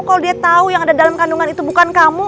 kalau dia tahu yang ada dalam kandungan itu bukan kamu